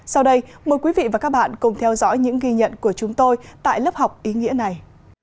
sau đây mời quý vị và các bạn cùng theo dõi những ghi nhận của chúng tôi tại lớp học ý nghĩa này